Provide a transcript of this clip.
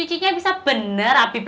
jangan ambil obi keburu